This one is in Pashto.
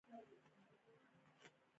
افغانستان د ښارونه د ساتنې لپاره قوانین لري.